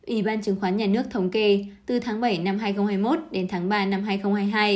ủy ban chứng khoán nhà nước thống kê từ tháng bảy năm hai nghìn hai mươi một đến tháng ba năm hai nghìn hai mươi hai